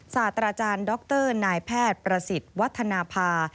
สาตราจารย์ด็อกเตอร์นายแพทย์ประสิทธิ์วัฒนภา